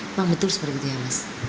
memang betul seperti itu ya mas